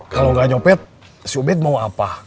kalo gak nyopet si ubed mau apa